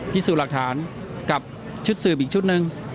พิสูจน์หลักฐานกับชุดสืบอีกชุดหนึ่ง